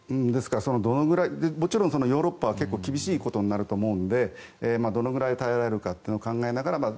ですから、どのぐらいもちろんヨーロッパは厳しいことになると思うのでどのくらい耐えられるかを考えながら。